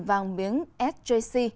vàng miếng sjc